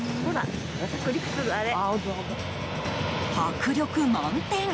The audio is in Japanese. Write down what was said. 迫力満点！